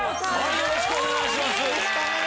よろしくお願いします。